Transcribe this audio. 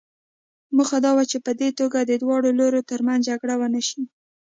موخه دا وه چې په دې توګه د دواړو لورو ترمنځ جګړه ونه شي.